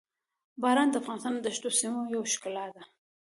باران د افغانستان د شنو سیمو یوه ښکلا ده.